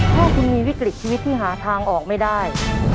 ถ้าคุณมีวิกฤตชีวิตที่หาทางออกไม่ได้